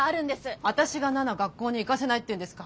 私が奈々学校に行かせないっていうんですか。